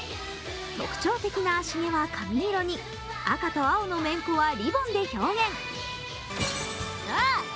特徴的なあし毛は髪色に、赤と青のメンコはリボンで表現。